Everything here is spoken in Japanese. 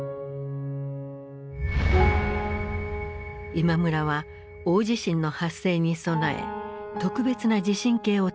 今村は大地震の発生に備え特別な地震計を作っていた。